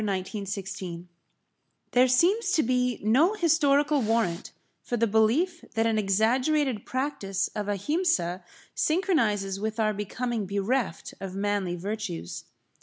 [Pg 19] AHIMSA There seems to be no historical warrant for the belief that an exaggerated practice of Ahimsa synchronises with our becoming bereft of manly virtues.